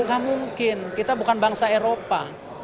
nggak mungkin kita bukan bangsa eropa